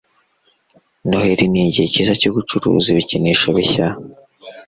Noheri ni igihe cyiza cyo gucuruza ibikinisho bishya.